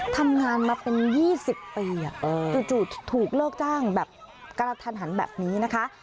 ทำงานมาเป็น๒๐ปีจู่ถูกเลิกจ้างแบบกระทันหันแบบนี้นะคะ